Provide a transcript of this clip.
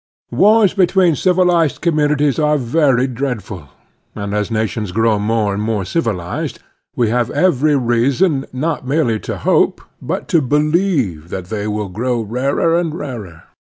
Wars between civilized communities are very dreadful, and as nations grow more and more civilized we have every reason, not merely to hope, but to believe that they will grow rarer and rarer.